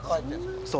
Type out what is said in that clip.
そう。